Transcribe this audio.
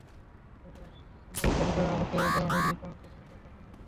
তবে আম্বালায় দাঙ্গা হতে দেওয়া হয়নি, কারণ সেখানে চার লাখ সৈন্য ছিল।